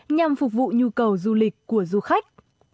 nhằm phục vụ nhu cầu du lịch của du khách